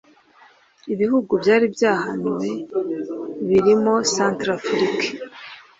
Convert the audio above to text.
Ibihugu byari byahanwe birimo Centrafrique